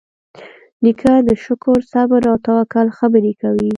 نیکه د شکر، صبر، او توکل خبرې کوي.